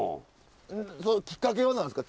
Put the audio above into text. きっかけは何ですか？